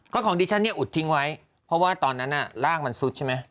ก็ของดิฉันเนี่ยอุดทิ้งไว้เพราะว่าตอนนั้นร่างมันซุดใช่ไหม